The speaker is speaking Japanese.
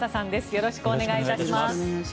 よろしくお願いします。